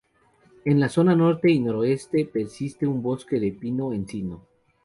En la zona norte y noroeste persiste un bosque de pino-encino.